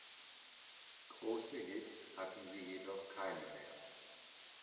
Große Hits hatten sie jedoch keine mehr.